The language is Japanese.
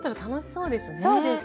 そうですね。